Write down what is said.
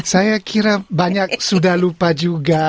saya kira banyak sudah lupa juga